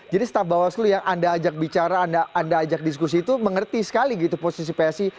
jadi staf bawaslu yang anda ajak bicara anda ajak diskusi itu mengerti sekali gitu posisi psi